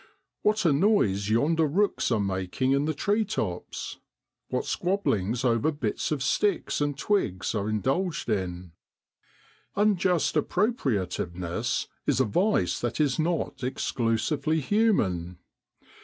What a noise yonder rooks are making in the tree tops ! What squabblings over bits of sticks and twigs are indulged in ! Unjust appropriativeness is a vice that is not exclusively human.